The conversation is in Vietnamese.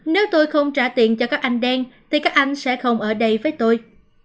nếu tôi không trả tiền cho các anh đen thì các anh sẽ không ở đây với tôi